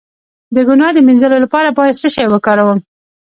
د ګناه د مینځلو لپاره باید څه شی وکاروم؟